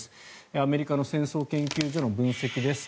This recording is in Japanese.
アメリカの戦争研究所の分析です。